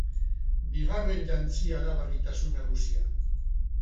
Bigarren jantzia da berritasun nagusia.